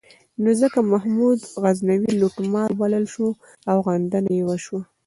نو ځکه محمود غزنوي لوټمار وبلل شو او غندنه یې وشوه.